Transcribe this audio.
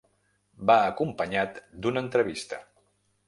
Va acompanyat d’una entrevista.